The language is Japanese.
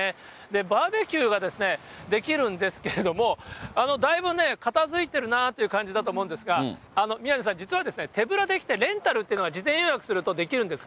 バーベキューができるんですけれども、だいぶね、片づいているなという感じだと思うんですが、宮根さん、実は、手ぶらで来て、レンタルっていうのが、事前予約するとできるんです。